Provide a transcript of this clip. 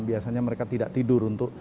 biasanya mereka tidak tidur untuk